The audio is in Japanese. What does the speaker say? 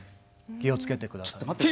気をつけて下さい？